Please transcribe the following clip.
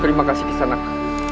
terima kasih kisanaku